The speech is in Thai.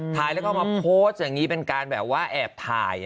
ถ่ายแล้วก็มาโพสต์อย่างนี้เป็นการแบบว่าแอบถ่าย